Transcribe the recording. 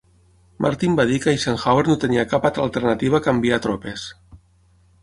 Martin va dir que Eisenhower no tenia cap altra alternativa que enviar tropes.